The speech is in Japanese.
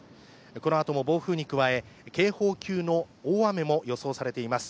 このあとも暴風雨に加え警報級の大雨も予想されています。